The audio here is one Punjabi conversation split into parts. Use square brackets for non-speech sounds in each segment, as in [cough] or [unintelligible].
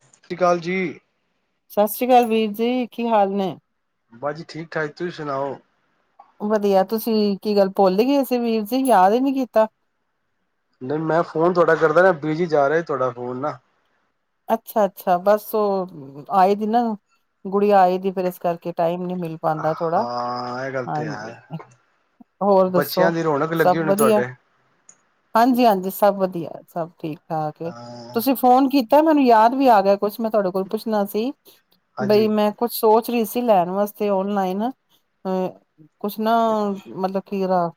ਸਤਿ ਸ੍ਰੀ ਅਕਾਲ ਜੀ। ਸਤਿ ਸ੍ਰੀ ਅਕਾਲ ਵੀਰ ਜੀ ਕੀ ਹਾਲ ਨੇ। ਬਸ ਜੀ ਠੀਕ ਠਾਕ, ਤੁਸੀਂ ਸੁਣਾਓ। ਵਧੀਆ ਤੁਸੀਂ ਕੀ ਗੱਲ ਭੁੱਲ ਗਏ ਸੀ ਵੀਰ ਜੀ ਯਾਦ ਹੀ ਨੀ ਕੀਤਾ। ਨਹੀਂ ਮੈਂ ਫੋਨ ਥੋੜਾ ਕਰਦਾ ਨਾ ਬਿਜੀ ਜਾ ਰਿਹਾ ਤੁਹਾਡਾ ਫੋਨ ਨਾ [inaudible] ਮਿਲ ਪਾਉਂਦਾ ਥੋੜਾ ਹਾਂ ਇਹ ਗੱਲ ਤੇ ਹਾਂਜੀ ਹੈ ਹੋਰ ਬੱਚਿਆਂ ਦੱਸੋ ਦੀ ਰੌਣਕ ਸਭ ਲੱਗੀ ਹੋਣੀ ਵਧੀਆ ਤੁਹਾਡੇ ਹਾਂਜੀ-ਹਾਂਜੀ, ਸਭ ਵਧੀਆ ਸਭ ਠੀਕ ਕੇ ਹਾਂ ਤੁਸੀਂ ਫੋਨ ਕੀਤਾ ਤਾਂ ਮੈਨੂੰ ਯਾਦ ਵੀ ਆ ਗਿਆ। ਕੁਛ ਮੈਂ ਤੁਹਾਡੇ ਕੋਲ ਪੁੱਛਣਾ ਸੀ ਬਈ ਹਾਂਜੀ ਮੈਂ ਕੁੱਛ ਸੋਚ ਰਹੀ ਸੀ ਲੈਣ ਵਾਸਤੇ ਓਨਲਾਈਨ ਅ ਕੁਛ ਨਾ ਮਤਲਬ ਕੀਰਾ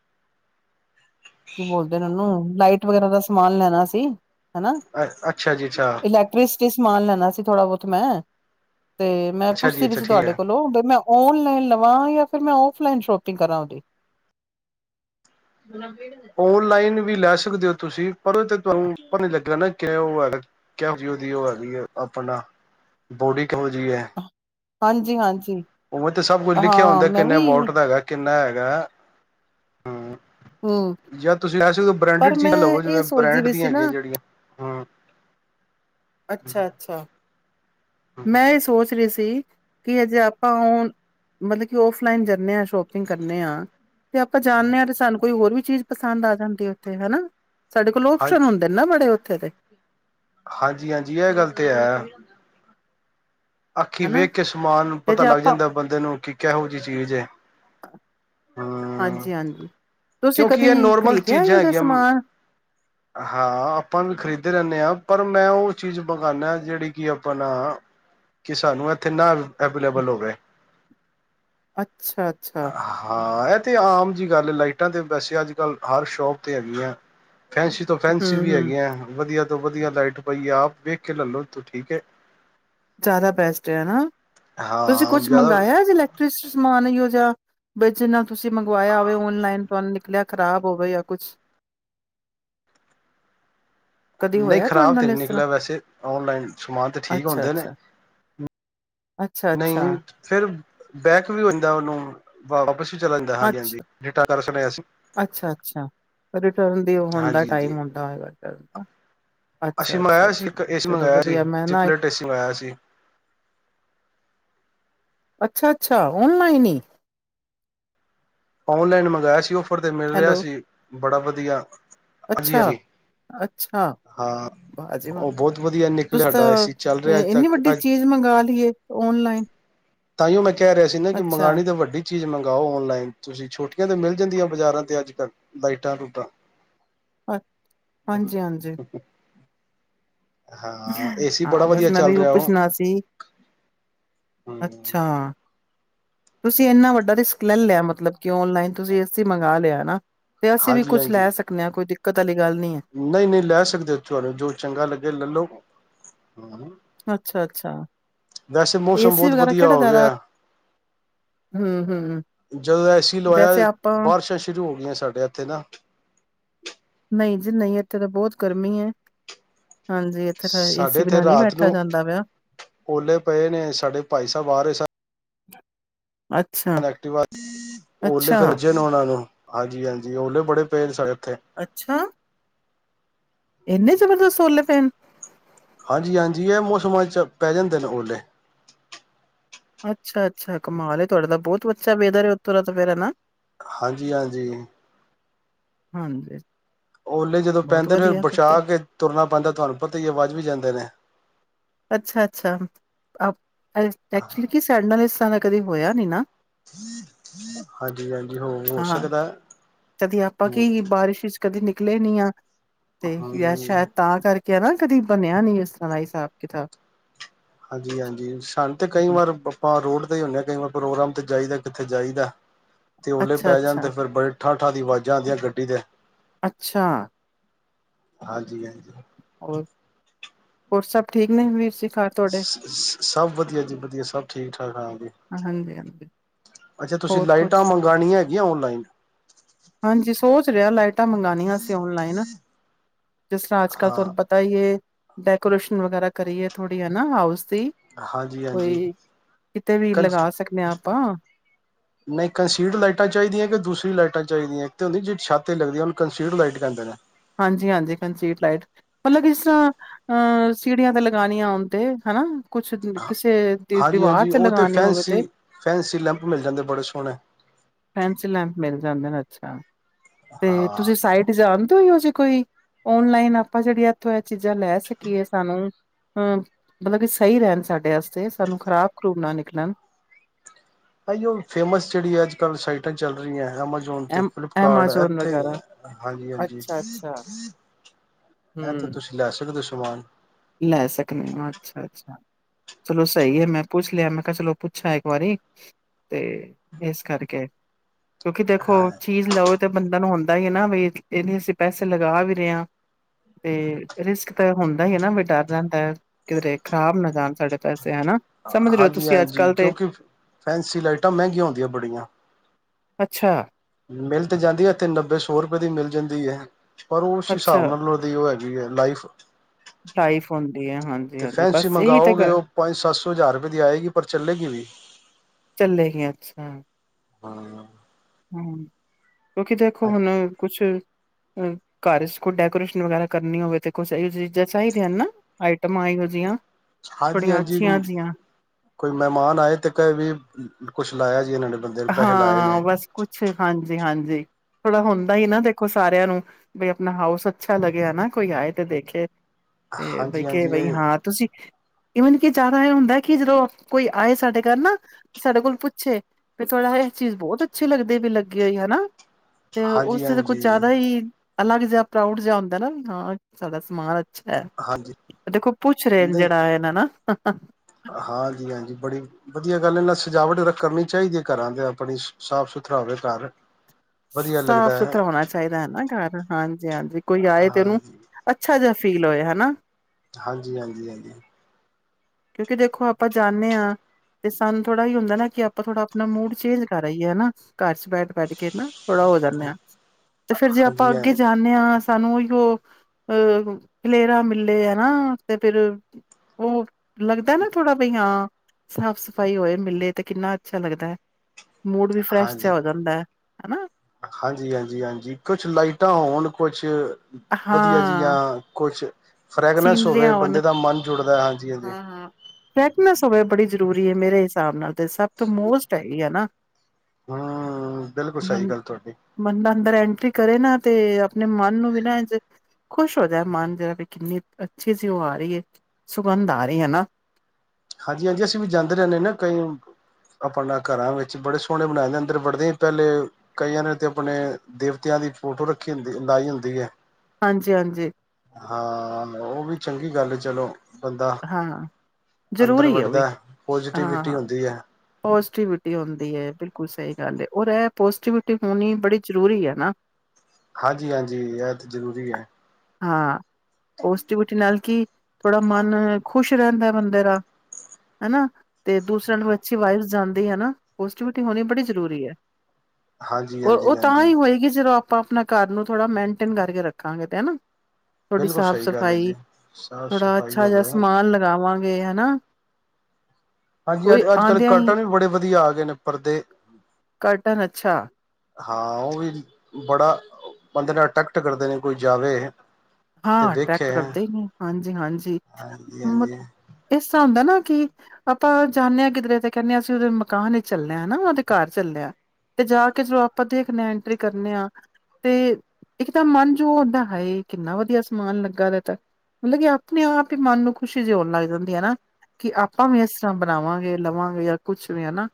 ਕੀ ਬੋਲਦੇ ਉਹਨੂੰ ਲਾਈਟ ਵਗੈਰਾ ਦਾ ਸਮਾਨ ਲੈਣਾ ਸੀ ਅ ਅੱਛਾ ਜੀ ਅੱਛਾ ਾਨ ਲੈਣਾ ਸੀ ਥੋੜਾ ਬਹੁਤ ਮੈਂ ਤੇ ਮੈਂ ਅੱਛਾ ਜੀ ਪੁੱਛਦੀ ਵੀ ਅੱਛਾ ਸੀ ਠੀਕ ਤੁਹਾਡੇ ਹੈ ਕੋਲੋਂ ਵੀ ਮੈਂ ਓਨਲਾਈਨ ਲਵ ਜਾਂ ਫਿਰ ਮੈਂ ਫਲਾਈਨ ਸ਼ੋਪਿੰਗ ਕਰਾਂ ਓਦੀ ਓਨਲਾਈਨ ਵੀ ਲੈ ਸਕਦੇ ਹੋ ਤੁਸੀਂ ਪਰ ਉਹ ਤੇ ਤੁਹਾਨੂੰ ਪਤਾ ਨ ਲੱਗਾ ਨਾ ਕਿ ਉਹ ਹੈਗਾ ਉਹ ਹੈਗੀ ਹੈ ਆਪਣਾ ਬੋਡੀ ਹੋ ਜੀ ਹੈ ਹਾਂਜੀ ਹਾਂਜੀ ਉਵੇ ਤੇ ਸਭ ਕੁੱਝ ਲਿਖਿਆ ਹਾਂ ਹੁੰਦਾ ਮੈਂ ਕਿੰਨੇ ਵੀ ਵੋਰਟ ਦਾ ਹੈਗਾ ਕਿੰਨਾ ਹੈਗਾ ਹਮ ਹੂੰ ਜਾਂ ਤੁਸੀਂ ਆਹਿ ਸਕਦੇ ਹੋ ਪਰ ਬ੍ਰੈਂਡਿਡ ਮੈਂ ਚੀਜ਼ਾਂ ਲਵੋ ਇਹ ਜਿਵੇਂ ਸੋਚਦੀ ਬ੍ਰੈਂਡ ਪਈ ਦੀਆਂ ਸੀ ਨਾ ਹੈਗੀਆਂ ਜਿਹੜੀਆਂ ਹਮ ਅੱਛਾ ਅੱਛਾ ਮੈਂ ਇਹ ਸੋਚ ਰਹੀ ਸੀ ਕਿ ਅਜੇ ਆਪਾਂ ਉਹ ਮਤਲਬ ਕਿ ਫਲਾਈਨ ਜਾਂਦੇ ਹਾਂ ਸ਼ੋਪਿੰਗ ਕਰਨੇ ਹਾਂ ਤੇ ਆਪਾਂ ਜਾਦੇ ਹਾਂ ਤੇ ਸਾਨੂੰ ਕੋਈ ਹੋਰ ਵੀ ਚੀਜ਼ ਪਸੰਦ ਆ ਜਾਂਦੀ ਉੱਥੇ ਹਨਾ ਸਾਡੇ ਕੋਲ ਹਾਂ ਓਪਸ਼ਨ ਹੁੰਦੇ ਨੇ ਨਾ ਬੜੇ ਉੱਥੇ ਦੇ ਹਾਂਜੀ ਹਾਂਜੀ ਇਹ ਗੱਲ ਤੇ ਹੈ ਅੱਖੀ ਹਨਾ ਵੇਖ ਕੇ ਸਮਾਨ ਤੇ ਪਤਾ ਜੇ ਲੱਗ ਆਪਾਂ ਜਾਂਦਾ ਬੰਦੇ ਨੂੰ ਕਿ ਕਿਹੋ ਜਿਹੀ ਚੀਜ਼ ਹੈ ਹਮ ਹਾਂਜੀ ਹਾਂਜੀ ਤੁਸੀਂ ਕਿਉਂਕਿ ਕਦੀ ਇਹ ਨੋਰਮਲ ਖਰੀਦਿਆ ਚੀਜ਼ਾਂ ਇਹੋ ਜਿਹਾ ਹੈਗੀਆਂ ਸਮਾਨ ਹਾਂ ਆਪਾਂ ਵੀ ਖ਼ਰੀਦੇ ਰਹਿੰਦੇ ਹਾਂ ਪਰ ਮੈਂ ਉਹ ਚੀਜ਼ ਵਿਗਾਉਦਾ ਜਿਹੜੀ ਕਿ ਆਪਣਾ ਕਿ ਸਾਨੂੰ ਇੱਥੇ ਨਾ ਅਵੇਲੇਬਲ ਹੋ ਗਏ ਅੱਛਾ ਅੱਛਾ ਹਾਂ ਇਹ ਤੇ ਆਮ ਜਿਹੀ ਗੱਲ ਲਾਈਟਾਂ ਤੇ ਵੈਸੇ ਅੱਜ ਕੱਲ ਹਰ ਸ਼ੋਪ ਤੇ ਹੈਗੀੀਆਂ ਫੈਸੀ ਤੋਂ ਫੈਸੀ ਵੀ ਹੂੰ-ਹੂੰ, ਹੈਗੀੀਆਂ ਵਧੀਆ ਵਧੀਆ ਲਾਈਟ ਪਾਈ ਆ ਆਪ ਵੇਖ ਕੇ ਲੈਲੋ ਇਥੋਂ ਠੀਕ ਹੈ ਜ਼ਿਆਦਾ ਬੈਸਟ ਆ ਨਾ ਤੁਸੀਂ ਹਾਂ ਕੁਛ ਜ਼ਿਆਦਾ ਮੰਗਵਾਇਆ ਜ ਇਲੈਕਟ੍ਰ ਸਮਾਨ ੋ ਜਿਹਾ ਬ ਜਿਨਾ ਤੁਸੀਂ ਮੰਗਵਾਆ ਹੋਵੇ ਓਨਲਾਈਨ ਤੁਾਨ ਨਿਕਲਿਆ ਖਰਾਬ ਹੋਵੇ ਯ ਕੁਛ ਕਦੀ ਨਹੀਂ ਹੋਇਆ ਤੁਹਾਡੇ ਖ਼ਰਾਬ ਤੇ ਨਾਲ ਨ ਇਸ ਤਰ੍ਹਾਂ? ਨਿਕਲਿਆ ਵੈਸੇ ਔਨਲਾਈਨ ਸਮਾਨ ਤਾਂ ਠੀਕ ਹੁੰਦੇ ਨੇ ਅੱਛਾ ਅੱਛਾ ਨਹੀਂ ਫਿਰ ਬੈਕ ਵੀ ਹੁੰਦਾ ਉਹਨੂੰ ਵ ਅਛ ਅੱਛਾ, ਅੱਛਾ, ਰਿਟਰਨ ਦਾ ਹੁਣ ਦਾ ਹਾਂਜੀ ਟਾਈਮ ਹਾਂਜੀ ਹੁੰਦਾ ਹੋ ਗਾ। ਚੱਲ [unintelligible] ਅਸੀਂ ਮੰਗਵਾਇਆ ਸੀ, ਇੱਕ ਏ ਸੀ ਮੰਗਵਾਇਆ ਸੀ, ਵਧੀਆ ਮੈਂ ਨਾ ਸਪਲਿਟ ਏ ਸੀ ਮੰਗਵਾਇਆ ਸੀ। ਅੱਛਾ, ਅੱਛਾ, ਔਨਲਾਈਨ ਈ। ਔਨਲਾਈਨ ਮੰਗਵਾਆ ਸੀ ਉਹ ਉੱਧਰ ਮਿਲ ਰਿਹਾ ਸੀ। ਬੜਾ ਵਧੀਆ। ਹਾਂਜੀ ਅੱਛਾ, ਹਾਂਜੀ ਅੱਛਾ, ਹਾਂ ਵਾ ਜੀ ਵਾ ਉਹ ਬਹੁਤ ਵਧੀਆ ਨਿਕਲਿਆ ਤੁਸੀਂ ਸਾਡਾ ਤਾਂ ਏਸੀ ਚੱਲ ਰਿਹਾ ਅੱਜ ਏਨੀ ਤੱਕ ਵੱਡੀ ਅੱਜ ਚੀਜ਼ ਮੰਗਵਾ ਲਈ ਏ ਔਨਲਾਈਨ। ਤਾਂਓ ਮੈਂ ਕਹਿ ਰਿਹਾ ਸੀ ਜੇ ਅੱਛਾ। ਮਗਾਨੀ ਤੇਵੱਡੀ ਚੀਜ਼ ਮੰਗਓ ਔਨਲਾਈਨ ਤੁਸੀਂ ਛੋਟੀਆਂ ਤੇ ਮਿਲ ਜਾਂਦੀਆਂ ਬਾਜ਼ਾਰਾਂ ਤੇ ਅੱਜ ਕੱਲ ਲਾਈਟਾਂ ਟੂਟਾਂ ਅ ਹਾਂਜੀ, ਹਾਂਜੀ, ਹਾਂ ਏਸੀ ਹਾਂ ਬੜਾ ਬਸ ਵਧੀਆ ਮੈਂ ਚੱਲ ਵੀ ਉਹ ਰਿਹਾ ਪੁੱਛਣਾ ਸੀ, ਹਮ ਅੱਛਾ। ਤੁਸੀਂ ਇੰਨਾ ਵੱਡਾ ਰਿਸਕ ਲੈ ਲਿਆ, ਮਤਲਬ ਕਿ ਓਨਲਾਈਨ ਤੁਸੀਂ ਏ ਸੀ ਮਗਾ ਲਿਆ ਨਾ। ਤੇ ਅਸੀਂ ਵੀ ਹਾਂਜੀ ਕੁੱਛ ਹਾਂਜੀ ਲੈ ਸਕਦੇ ਹਾਂ ਕੋਈ ਕਤਲੇ ਨਹੀਂ ਨਹੀਂ ਲੈ ਸਕਦੇ ਓ, ਤਹਾਨੂੰ ਜੋ ਚੰਗਾ ਲੱਗੇ ਲੈ ਲਉ। ਅੱਛਾ-ਅੱਛਾ ਵੈਸੇ ਮੌਸਮ ਏਸੀ ਬਹੁਤ ਵਗੈਰਾ ਵਧੀਆ ਕਿਹੜਾ ਹੋ ਜ਼ਿਆਦਾ ਗਿਆ ਹੂੰ-ਹੂੰ ਜਦੋਂ ਏ ਸੀ ਵੈਸੇ ਲਾਵਾਇਆ ਆਪਾਂ ਬਾਰਸਾ ਸ਼ੁਰੂ ਹੋ ਜਿਵੇ ਸਾਡੇ ਇਥੇ ਨਾ ਨਹੀਂ ਜੀ, ਨਹੀਂ ਇੱਥੇ ਤਾਂ ਬਹੁਤ ਗਰਮੀ ਹੈ। ਹਾਂਜੀ ਇੱਥੇ ਤਾਂ ਸਾਡੇ ਏਸੀ ਇੱਥੇ ਬਿਨਾਂ ਨਹੀਂ ਰਾਤ ਬੈਠਾ ਨੂੰ ਜਾਂਦਾ ਪਿਆ। ਓਲੇ ਪਏ ਨੇ ਸਾਡੇ ਭਾਈ ਸਾਹਿਬ ਆ ਰਹੇ ਸਨ। [unintelligible] ਐਕਟਵਾਂ, ਓਲੇ ਫਿਰ ਅੱਛਾ-ਅੱਛਾ-ਅੱਛਾ ਵਜੇ ਨੇ ਉਹਨਾਂ ਨੂੰ। ਹਾਂਜੀ, ਹਾਂਜੀ, ਓਲੇ ਬੜੇ ਪਏ ਸਾਡੇ। ਇੱਥੇ ਅੱਛਾ? ਇਹਨੇ ਜ਼ਬਰਦਸਤ ਹੋਲੇ ਫੈਨ। ਹਾਂਜੀ, ਹਾਂਜੀ, ਇਹ ਮੌਸਮਾਂ ਚ ਪੈ ਜਾਂਦੇ ਨੇ ਓਲੇ। ਅੱਛਾ, ਅੱਛਾ, ਕਮਾਲ ਏ ਤੁਹਾਡਾ ਤੇ ਬਹੁਤ ਅੱਛਾ ਵੈਦਰ ਉਥੋਂ ਦਾ ਤਾ ਫਿਰ ਨਾ। ਹਾਂਜੀ, ਹਾਂਜੀ, ਹਾਂਜੀ। ਓਲੇ ਜਦੋਂ ਬਹੁਤ ਪੈਂਦੇ ਨੇ ਵਧੀਆ ਫਿਰ ਤੇ ਬਚਾ, ਕੇ ਤੁਰਨਾ ਪੈਦਾ ਤਹਾਨੂੰ ਪਤਾ ਏ, ਵੱਜ ਵੀ ਜਾਂਦੇ ਨੇ। ਅੱਛਾ, ਅੱਛਾਐਕਚੁਲੀ ਕੀ ਸੈਡਲ ਇਸ ਤਰਾਂ ਦੇ। ਕਦੇ ਹੋਇਆ ਨੀ ਨਾ। ਹਾਂਜੀ, ਹਾਂਜੀ, ਹੋ ਹੋ ਹਾਂ। ਸਕਦਾ। ਕਦੀ ਆਪਾਂ ਹਮ ਕੀ ਬਾਰਿਸ਼ ਚ ਕਦੇ ਨਿਕਲੇ ਨੀ ਆ ਤੇ ਯਾਰ ਹਮ ਸ਼ਾਇਦ ਤਾਂ ਕਰਕੇ ਕਹਿਣਾ ਕਦੀ ਬਣਿਆ ਨ ਇਸ ਤਰ ਦਾ ਹਿਸਾਬ ਕਿਤਾਬ ਹਾਂਜੀ ਹਾਂਜੀ ਸਾਨੂੰ ਤੇ ਕਈ ਵਾਰ ਆਪਾਂ ਰੋਡ ਹੀ ਹੁੰਦੇ ਕਈ ਵਾਰ ਪ੍ਰੋਗਰਾਮ ਤੇ ਜਾਈਦਾ ਕਿੱਥੇ ਜਾਈਦਾ ਤੇ ਓਲੇ ਪੈ ਜਾਣ ਤੇ ਅੱਛਾ-ਅੱਛਾ, ਫਿਰ ਬੜੀ ਠਾਂ ਠਾਂ ਦੀਆਂ ਆਵਾਜ਼ਾਂ ਆਉਂਦੀਆਂ ਗੱਡੀ ਦੇ ਅੱਛਾ, ਹਾਂਜੀ ਹਾਂਜੀ ਹੋਰ, ਹੋਰ ਸਭ ਠੀਕ ਨੇ ਵੀਰ ਸੀ ਸਭ ਵਧੀਆ ਜੀ ਵਧੀਆ ਸਭ ਠੀਕ ਠਾਕ ਅੱਛਾ ਹਾਂ ਜ ਹਾਂਜੀ-ਹਾਂਜੀ, ਅੱਛਾ ਤੁਸੀਂ ਹੋਰ ਲਾਈਟਾਂ ਕੁਛ? ਮੰਗਉਣੀਆਂ ਹੈਗੀਆਂ ਓਨਲਾਈਨ ਹਾਂਜੀ ਸੋਚ ਰਿਹਾ ਲਾਈਟਾਂ ਮੰਗਉਣੀਆਂ ਅਸੀ ਓਨਲਾਈਨ ਜਿਸ ਤਰ੍ਹਾਂ ਅੱਜ ਕੱਲ ਹਾਂ ਤੁਹਾਨੂੰ ਪਤਾ ਹੀ ਡੈਕੋਰੇਸ਼ਨ ਵਗੈਰਾ ਕਰੀਏ ਥੋੜ੍ਹੀ ਹੈਾ ਹਾਊਸ ਅਸੀ ਹਾਂਜੀ ਹਾਂਜੀ ਕੋਈ ਕਿਤੇ ਵੀ ਕੰ ਲਗਾ ਸਕਦੇ ਹਾਂ ਆਪ ਤਾਂ ਨਹੀਂ ਕੰਸੀਡ ਲਾਈਟਾਂ ਚਾਹੀਦੀਆਂ ਕਿ ਦੂਸਰੀ ਲਾਈਟਾਂ ਚਾਹੀਦੀਆਂ ਇੱਕ ਹੁੰਦੀ ਜਿਹੜੀ ਛਤ ਲੱਗਦੀ ਉਹ ਲਾਈਟ ਕਹਿੰਦੇ ਨੇ ਹਾਂਜੀ ਹਾਂਜੀ ਕੰਨਸਰੀਟ ਲਾਈਟ ਮਤਲਬ ਕਿਸ ਤਰ੍ਹਾਂ ਅਹ ਸੀੜੀਆਂ ਤੇ ਲਗਾਉਣੀਆਂ ਆਉਣ ਤੇ ਹਨਾ ਕੁਛ ਹਾਂ ਕਿਸੇ ਦੀ ਹਾਂਜੀ ਦੀਵਾਰ ਹਾਂਜੀ ਤੇ ਉਹ ਤਾਂ ਲਗਾਨੀ ਹੋਵੇ ਤੇ ਫੈਂਨਸੀ ਫੈਂਨਸੀ ਲੈਂਪ ਮਿਲ ਜਾਂਦੇ ਬੜੇ ਸੋਹਣੇ ਫੈਂਨਸੀ ਲੈਂਪ ਮਿਲ ਜਾਂਦੇ ਨੇ ਅੱਛਾ ਤੇ ਹਾਂ ਤੁਸੀਂ ਸਾਈਟ ਜਾਣ ਹੀ ਜੇ ਕੋਈ ਓਨਲਾਈਨ ਆਪਾਂ ਜਿਹੜੀ ਇਥੋਂ ਇਹ ਚੀਜ਼ਾਂ ਲੈ ਸਕੀਏ ਸਾਨੂੰ ਅਹ ਮਤਲਬ ਕਿ ਸਹੀ ਰਹਿਣ ਸਾਡੇ ਵਾਸਤੇ ਸਾਨੂੰ ਖ਼ਰਾਬ ਖਰੂਬ ਨਾ ਨਿਕਲਣ ਅਹਿਓ ਉਹ ਫੇਮਸ ਜਿਹੜੀ ਹੈ ਅੱਜ ਕੱਲ ਸਾਈਟਾਂ ਚੱਲ ਰਹੀਆਂ ਹੈ ਐਮਾਜ਼ੋਨ ਤੇ ਐਮ ਫਲਿੱਪਕਾਰਟ ਐਮਾਜ਼ੋਨ ਇੱਥੇ ਵਗੈਰਾ ਹਾਂਜੀ ਹਾਂਜੀ ਅੱਛਾ-ਅੱਛਾ ਇਹਥੌ ਹੂੰ ਤੁਸੀਂ ਲੈ ਸਕਦੇ ਹੋ ਸਮਾਨ ਲੈ ਸਕਦੇ ਹਾਂ ਅੱਛਾ-ਅੱਛਾ ਚਲੋ ਸਹੀ ਹੈ ਮੈਂ ਪੁੱਛ ਲਿਆ ਮੈਂ ਕਿਹਾ ਚਲੋ ਪੁੱਛਾਂ ਇੱਕ ਵਾਰੀ ਤੇ ਇਸ ਕਰਕੇ ਕਿਉਂਕਿ ੋ ਚੀਜ਼ ਲਓ ਤੇ ਬੰਦਾ ਨੂੰ ਹੁੰਦਾ ਨਾ ਵੀ ਇਹਨ ਅਸੀਂ ਪੈਸੇ ਲਗਾ ਵੀ ਰਹੇ ਹਾਂ ਤੇ ਰਿਸਕ ਤਾਂ ਹੁੰਦਾ ਹੀ ਨਾ ਵੀ ਡਰ ਜਾਂਦਾ ਕਿਧਰੇ ਖ਼ਰਾਬ ਨਾ ਜਾਣ ਸਾਡੇ ਪੈਸੇ ਹਨਾ ਸਮਝ ਰਹੇ ਹੋ ਹਾਂਜੀ ਤੁਸੀਂ ਅੱਜ ਹਾਂਜੀ ਕੱਲ ਤੇ ਕਿਉਂਕਿ ਫੈਸੀ ਲਾਈਟਾਂ ਮਹਿੰਗੀਆਂ ਹੁੰਦੀਆਂ ਬੜੀਆਂ ਅੱਛਾ ਮਿਲ ਤੇ ਜਾਂਦੀ ਹੈ ਇੱਥੇ ਨੱਬੇ ਸੌ ਰੁਪਏ ਦੀ ਮਿਲ ਜਾਂਦੀ ਹੈ ਪਰ ਉਸ ਅੱਛਾ ਹਿਸਾਬ ਨਾਲ ਲਦੀਓ ਹੈਗੀ ੀ ਹੈ ਲਾਈਫ ਲਾਈਫ ਹੁੰਦੀ ਹੈ ਹਾਂਜੀ ਤੇ ਹਾਂਜੀ ਫੈਂਸੀ ਬਸ ਇਹੀ ਤੇ ਮੰਗਾਓਗੇ ਗ ਉਹ ਪੰਜ ਸੱਤ ਸੌ ਹਜ਼ਾਰ ਰੁਪਏ ਦੀ ਆਏਗੀ ਪਰ ਚੱਲੇਗੀ ਵੀ ਚੱਲੇ ਅੱਛਾ ਹੂੰ ਹੂੰ ਕਿਉਂਕਿ ਦੇਖੋ ਹੁਣ ਕੁਛ ਅ ਘਰ ਚ ਕੋਈ ਡੈਕੋਰੇਸ਼ਨ ਵਗੈਰਾ ਕਰਨੀ ਹੋਵੇ ਤੇ ਕੁਛ ਇਹੋ ਜਿਹੀ ਚੀਜ਼ਾਂ ਚਾਹੀਦੀਆਂ ਨਾ ਆਈਟਮਾਂ ਇਹੋ ਜਿਹੀਆਂ ਹਾਂਜੀ ਥੋੜੀਆਂ ਹਾਂਜੀ, ਅੱਛੀਆਂ ਜਿਹੀਆਂ ਕੋਈ ਮਹਿਮਾਨ ਆਏ ਤੇ ਕਹੇ ਵੀ ਕੁਛ ਲਾਇਆ ਜੀ ਇਹਨਾਂ ਨੇ ਬੰਦੇ ਨੇ ਪੈਸੇ ਲਾਏ ਹਾਂ ਨੇ ਬਸ ਕੁਛ ਹਾਂਜੀ ਹਾਂਜੀ ਥੋੜ੍ਹਾ ਹੁੰਦਾ ਹੀ ਨਾ ਦੇਖੋ ਸਾਰਿਆਂ ਨੂੰ ਬਈ ਆਪਣਾ ਹਾਊਸ ਅੱਛਾ ਲੱਗਿਆ ਨਾ ਕੋਈ ਆਏ ਤੇ ਦੇਖੇ ਤੇ ਬਈ ਹਾਂਜੀ ਕੇ ਹਾਂਜੀ ਬਈ ਇਹ ਹਾਂ ਤੁਸੀਂ ਈਵਨ ਕਿ ਜ਼ਿਆਦਾ ਇਹ ਹੁੰਦਾ ਕਿ ਜਦੋਂ ਕੋਈ ਆਏ ਸਾਡੇ ਘਰ ਨਾ ਸਾਡੇ ਕੋਲ ਪੁੱਛੇ ਫਿਰ ਤੁਹਾਡਾ ਇਹ ਚੀਜ਼ ਬਹੁਤ ਅੱਛੀ ਲੱਗਦੇ ਵੀ ਲੱਗੇ ਹੋਏ ਹਨਾ ਤੇ ਹਾਂਜੀ ਉਸਦੇ ਤਾਂ ਕੁਛ ਹਾਂਜੀ ਜ਼ਿਆਦਾ ਹੀ ਅਲੱਗ ਜਿਹਾ ਪ੍ਰਾਊਡ ਜਿਹਾ ਹੁੰਦਾ ਨਾ ਹਾਂ ਸਾਡਾ ਸਮਾਨ ਅੱਛਾ ਹਾਂਜੀ ਦੇਖੋ ਪੁੱਛ ਰਹੇ ਨੇ ਨਹੀਂ ਜਿਹੜਾ ਹੈ ਨਾ ਹੂੰ ਹਾਂਜੀ ਹਾਂਜੀ ਬੜੀ ਵਧੀਆ ਗੱਲ ਇਹ ਨਾਲ ਸਜਾਵਟ ਕਰਨੀ ਚਾਹੀਦੀ ਹੈ ਘਰਾਂ ਤੇ ਆਪਣੀ ਸਾਫ ਸੁਥਰਾ ਹੋਵੇ ਘਰ ਵਧੀਆ ਸਾਫ ਲੱਗਦਾ ਹੈ ਸੁਥਰਾ ਹੋਣਾ ਚਾਹੀਦਾ ਹੈ ਨਾ ਘਰ ਹਾਂਜੀ ਹਾਂਜੀ ਕੋਈ ਆਏ ਤੇ ਉਹਨੂੰ ਹਾਂਜੀ ਅੱਛਾ [unintelligible] ਫੀਲ ਹੋਇਆ ਹਨਾ ਹਾਂਜੀ ਹਾਂਜੀ ਹਾਂਜੀ ਕਿਉਂਕਿ ਦੇਖੋ ਆਪਾਂ ਜਾਣੇ ਹਾਂ ਤੇ ਸਾਨੂੰ ਥੋੜਾ ਹੀ ਹੁੰਦਾ ਨਾ ਕਿ ਆਪਾਂ ਥੋੜਾ ਆਪਣਾ ਮੂਡ ਚੇਂਜ ਕਰਈਏ ਹਨਾ ਘਰ ਚ ਬੈਠ ਬੈਠ ਕੇ ਨਾ ਥੋੜਾ ਹੋ ਜਾਂਦੇ ਹਾਂ ਤੇ ਫੇਰ ਜੇ ਆਪਾਂ ਹਾਂਜੀ ਅੱਗੇ ਜਾਣੇ ਆ ਸਾਨੂੰ ਹੀ ਉਹ ਅਹ ਖਲੇਰਾ ਮਿਲੇ ਹੈ ਨਾ ਤੇ ਫਿਰ ਉਹ ਲੱਗਦਾ ਨਾ ਥੋੜਾ ਬਈ ਹਾਂ ਸਾਫ਼ ਸਫ਼ਾਈ ਹੋਏ ਮਿਲੇ ਤੇ ਕਿੰਨਾ ਅੱਛਾ ਲੱਗਦਾ ਹੈ ਮੂਡ ਵੀ ਫਰੈਸ਼ ਜਿਹਾ ਹਾਂਜੀ ਹੋ ਜਾਂਦਾ ਹੈ ਹਨਾ ਹਾਂਜੀ ਹਾਂਜੀ ਹਾਂਜੀ ਕੁਛ ਲਾਈਟ ਤਾਂ ਹੁਣ ਕੁਛ ਵਧੀਆ ਜਿਹੀਆਂ ਹਾਂ ਕੁਛ ਫਰੈਗਨੈਂਸ ਹੋਵੇ ਸੀਨਰੀਆਂ ਹੋਣ ਬੰਦੇ ਦਾ ਮਨ ਜੁੜਦਾ ਹਾਂਜੀ ਹਾਂਜੀ ਹਾਂ ਹਾਂ [unintelligible] ਹੋਵੇ ਬੜੀ ਜ਼ਰੂਰੀ ਹੈ ਮੇਰੇ ਹਿਸਾਬ ਨਾਲ ਤੇ ਸਭ ਤੋਂ ਮੋਸਟ ਹੈਗੀ ਹੈ ਨਾ ਹਮ ਬਿਲਕੁਲ ਸਹੀ ਗੱਲ ਤੁਹਾਡੀ ਮੰਨ ਦਾ ਅੰਦਰ ਐਂਟਰੀ ਕਰੇ ਨਾ ਤੇ ਆਪਣੇ ਮਨ ਨੂੰ ਵੀ ਨਾ ਖੁਸ਼ ਹੋ ਜਾਏ ਮਨ ਜਿਹੜਾ ਵੀ ਕਿੰਨੀ ਅੱਛੀ ਸੀ ਉਹ ਆ ਰਹੀ ਹੈ ਸੁਗੰਧ ਆ ਰਹੀ ਹੈ ਨਾ ਹਾਂਜੀ ਹਾਂਜੀ ਅਸੀਂ ਵੀ ਜਾਂਦੇ ਰਹਿਣੇ ਨਾ ਕਈ ਆਪਣਾ ਘਰਾਂ ਵਿੱਚ ਬੜੇ ਸੋਹਣੇ ਬਣਾਏ ਜਾਂਦੇ ਅੰਦਰ ਬੜਦੇ ਹੀ ਪਹਿਲੇ ਕਈਆਂ ਨੇ ਤੇ ਆਪਣੇ ਦੇਵਤਿਆਂ ਦੀ ਫੋਟੋ ਰੱਖੀ ਹੁੰਦੀ ਲਾਈ ਹੁੰਦੀ ਹੈ ਹਾਂਜੀ-ਹਾਂਜੀ ਹਾਂ ਉਹ ਵੀ ਚੰਗੀ ਗੱਲ ਚਲੋ ਬੰਦਾ ਹਾਂ ਅੰਦਰ ਜ਼ਰੂਰੀ ਹੈ ਉਹ ਵੀ ਵੜਦਾ ਹਾਂ ਪੋਜ਼ਟਿਵਿਟੀ ਹਾਂ ਹੁੰਦੀ ਹੈ ਪੋਜ਼ਟੀਿਵਿਟੀ ਹੁੰਦੀ ਹੈ ਬਿਲਕੁਲ ਸਹੀ ਗੱਲ ਇਹ ਪੋਜ਼ਟੀਿਵਿਟੀ ਹੋਣੀ ਬੜੀ ਜ਼ਰੂਰੀ ਹੈ ਨਾ ਹਾਂਜੀ ਹਾਂਜੀ ਇਹ ਤਾਂ ਜ਼ਰੂਰੀ ਹੈ ਹਾਂ ਸ਼ਟੀ ਗੁਟੀ ਨਾਲਲਕ ਥੋੜਾ ਮਨ ਖੁਸ਼ ਰਹਿੰਦਾ ਬੰਦੇ ਦਾ ਹਨਾ ਤੇ ਦੂਸਰਿਆਂ ਨੂੰ ਅੱਛੀ ਵਾਈਫ ਜਾਂਦੀ ਹਨਾ ਪੋਜ਼ਟੀਿਵਿਟੀ ਹੋਣੀ ਬੜੀ ਜ਼ਰੂਰੀ ਹੈ ਹਾਂਜੀ ਉਹ ਉਹ ਹਾਂਜੀ ਤਾਂ ਹਾਂਜੀ ਹੀ ਹੋਏਗੀ ਜਦੋਂ ਆਪ ਆਪਾਂ ਆਪਣਾ ਘਰ ਨੂੰ ਥੋੜ੍ਹਾ ਮੇਨਟੇਨ ਕਰਕੇ ਰੱਖਾਂਗੇ ਤੇ ਹਨਾ ਥੋੜੀ ਬਿਲਕੁਲ ਸਾਫ਼ ਸਹੀ ਗੱਲ ਹੈ ਸਫ਼ਾਈ ਜੀ ਸਾਫ਼ ਥੋੜਾ ਸਫ਼ਾਈ ਅੱਛਾ ਜਿਹਾ ਹੋਵੇ ਸਮਾਨ ਲਗਾਵਾਂਗੇ ਗੇ ਹਨਾ ਹਾਂਜੀ ਕੋਈ ਅੱਜ ਅੱਜ ਕੱਲ੍ਹ ਆਉਂਦਿਆਂ ਹੀ ਕਰਟਨ ਵੀ ਬੜੇ ਵਧੀਆ ਆ ਗਏ ਨੇ ਪਰਦੇ ਕਰਟਨ ਅੱਛਾ ਹਾਂ ਉਹ ਵੀ ਬੜਾ ਬੰਦੇ ਨੇ ਅਟਰੈਕਟ ਕਰਦੇ ਨੇ ਕੋਈ ਜਾਵੇ ਤੇ ਹਾਂ ਅਟਰੈਕਟ ਵੇਖੇ ਕਰਦੇ ਹੀ ਹਾਂਜੀ ਹਾਂਜੀ ਹਾਂਜੀ ਹਾਂਜੀ ਇਸ ਤਰ੍ਹਾਂ ਹੁੰਦਾ ਨਾ ਕਿ ਆਪਾਂ ਜਾਂਦੇ ਹਾਂ ਕਿਧਰੇ ਤੇ ਕਹਿੰਦੇ ਹਾਂ ਅਸੀਂ ਉਹਦੇ ਮਕਾਨ ਵਿਚ ਚੱਲਿਆ ਹਨ ਨਾ ਉਹਦੇ ਘਰ ਚੱਲਿਆ ਤੇ ਜਾ ਕੇ ਜਦੋਂ ਆਪਾਂ ਦੇਖਦੇਾਂ ਐਂਟਰੀ ਕਰਨੇ ਹਾਂ ਤੇ ਇੱਕ ਤਾਂ ਮਨ ਜੋ ਹਦਾ ਹੈ ਕਿੰਨਾ ਵਧਆ ਵ ਸਮਾਨ ਲੱਗਾ ਲ ਤ ਮਤਲਬ ਕਿ ਆਪਣੇ ਆਪ ਹੀ ਮਨ ਨੂੰ ਖੁਸ਼ੀ ਜ਼ਣ ਲੱਗ ਜਾਂਦੀ ਹੈ ਹਨਾ ਕਿ ਆਪਾਂ ਵੀ ਇਸ ਤਰ੍ਹਾਂ ਬਣਾਵਾਂਗੇ ਲਵਾਂਗੇ ਜਾਂ ਕੁਛ ਵੀ ਹਨਾ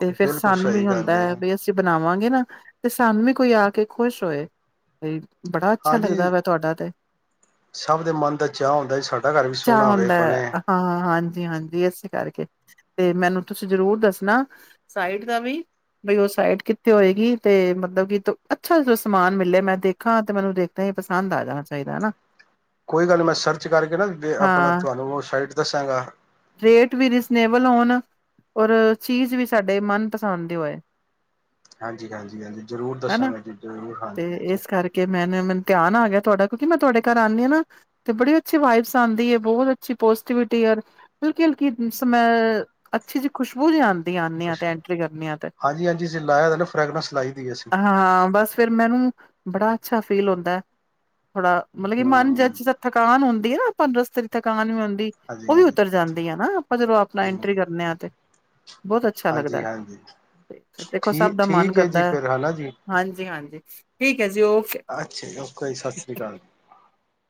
ਤੇ ਫੇਿਰ ਬਿਲਕੁਲ ਸਾਨੂੰ ਸਹੀ ਵੀ ਹੁੰਦਾ ਗੱਲ ਹੈ ਬ ਅਸੀਂ ਬਣਾਵਾਂ ਵਾਂਗੇ ਨਾ ਤੇ ਸਾਨੂੰ ਵੀ ਕੋਈ ਆ ਕੇ ਖੁਸ਼ ਹੋਏ ਬੜਾ ਅੱਛਾ ਲੱਗਦਾ ਹਾਂਜੀ ਵਾ ਤੁਹਾਡਾ ਤੇ ਸਭ ਦੇ ਮਨ ਦਾ ਚਾਹ ਹੁੰਦਾ ਸਾਡਾ ਘਰ ਵੀ ਸੋਹਣਾ ਆਵੇ ਬਣੇ ਜੀ ਹਾਂਜੀ ਇਸੇ ਕਰਕੇ ਤੇ ਮੈਨੂੰ ਤੁਸੀਂ ਜਰੂਰ ਦੱਸਣਾ ਸਾਈਟ ਦਾ ਵੀ ਬਈ ਉਹ ਸਾਈਟ ਕਿੱਥੇ ਹੋਏਗੀ ਤੇ ਮਤਲਬ ਕਿ ਅੱਛਾ ਜੋ ਸਮਾਨ ਮਿਲਲੇ ਮੈਂ ਦੇਖਾ ਤੇ ਮੈਨੂੰ ਦੇਖਦ ਹੀ ਪਸੰਦ ਆ ਜਾਣਾ ਚਾਹੀਦਾ ਹਨਾ ਕੋਈ ਗੱਲ ਨਹੀਂ ਮੈਂ ਸਰਚ ਕਰਕੇ ਨਾ ਆਪਣਾ ਹਾਂ ਤੁਹਾਨੂੰ ਉਹ ਸਾਈਟ ਦੱਸਾਂਗਾ ਰੇਟ ਵੀ ਰੀਜ਼ਨੇਬਲ ਹੋਣ ਔਰ ਚੀਜ਼ ਵੀ ਸਾਡੇ ਮਨਪਸੰਦ ਦੀ ਹੋਏ ਹਾਂਜੀ ਹਾਂਜੀ ਹਾਂਜੀ ਜ਼ਰੂਰ ਹਨਾ ਦੱਸਾਂਗਾ ਜੀ ਜ਼ਰੂਰ ਤੇ ਹਾਂਜੀ ਹਾਂਜੀ ਇਸ ਕਰਕੇ ਮੈਨੇ ਮੈਨੂੰ ਧਿਆਨ ਆ ਗਿਆ ਤੁਹਾਡਾ ਕਿਉਂਕਿ ਮੈਂ ਤੁਹਾਡੇ ਘਰ ਆਉਂਦੀ ਹਾਂ ਨਾ ਤੇ ਬੜੀ ਅੱਛੀ ਵਾਈਬਸ ਆਉਂਦੀ ਹੈ ਬਹੁਤ ਅੱਛੀ ਪੋਜ਼ਟਿਵਿਟੀ ਹਲਕੀ ਹਲਕ ਸਮੈ ਅੱਛੀ ਜਿਹੀ ਖੁਸ਼ਬੂ ਜਿ ਆਂਦੀ ਆਦੇ ਹ ਤੇ ਖੁਸ਼ ਐਂਟਰੀ ਕਰਨ ਆ ਤੇ ਹਾਂਜੀ ਹਾਂਜੀ ਅਸੀਂ ਲਾਇਆ ਦਾ ਨਾ ਫਰੈਗਰੈਂਸ ਲਾਈ ਦੀ ਅਸੀਂ ਹਾਂ ਬਸ ਫਿਰ ਮੈਨੂੰ ਬੜਾ ਅੱਛਾ ਫੀਲ ਹੁੰਦਾ ਹੈ ਥੋੜਾ ਮਤਲਬ ਕਿ ਮਨ ਜ ਹੂੰ ਜ ਦਾ ਥਕਾਨ ਹੁੰਦਾ ਨਾ ਪੰਦਰ ਸਤਰੀ ਤੱਕ ਆ ਨ ਆਂਦੀ ਹਾਂਜੀ ਉਹ ਵੀ ਹਾਂਜੀ ਉਤਰ ਜਾਂਦੀ ਆ ਨਾ ਆਪਾਂ ਜਦੋਂ ਆਪਣਾ ਐਂਟਰੀ ਹੂੰ ਕਰਨੇ ਹ ਤੇ, ਬਹੁਤ ਅੱਛਾ ਹਾਂਜੀ ਲੱਗਦਾ, ਹਾਂਜੀ ਤੇ ਦੇਖੋ ਸਭ ਠੀਕ ਦਾ ਮਨ ਠੀਕ ਹੈ ਜੀ ਕਰਦਾ, ਫਿਰ ਹੈ ਨਾ ਜੀ ਹਾਂਜੀ-ਹਾਂਜੀ। ਠੀਕ ਹੈ ਜੀ ਓਕੇ ਅੱਛਾ ਜੀ, ਓਕੇ ਜੀ ਸਤਿ ਸ੍ਰੀ ਅਕਾਲ ਜੀ।